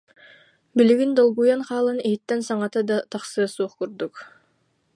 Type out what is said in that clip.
Билигин долгуйан хаалан иһиттэн саҥата да тахсыа суох курдук